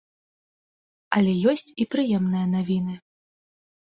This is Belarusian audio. Але ёсць і прыемныя навіны.